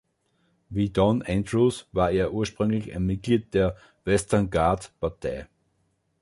Wie Don Andrews war er ursprünglich ein Mitglied der „Western Guard“-Partei.